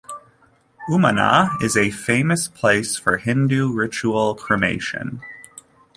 Umanath is a famous place for Hindu ritual cremation.